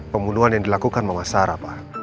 pembunuhan yang dilakukan sama sarah pak